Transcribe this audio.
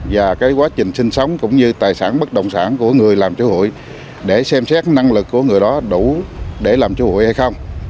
và cái quá trình sinh sống cũng như tài sản bất động sản của người làm chơi hụi để xem xét năng lực của người đó đủ để làm chơi hụi hay không